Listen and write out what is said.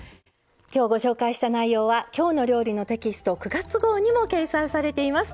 今日ご紹介した内容は「きょうの料理」のテキスト９月号にも掲載されています。